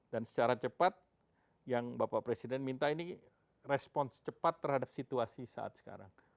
dan secara cepat yang bapak presiden minta ini respons cepat terhadap situasi saat sekarang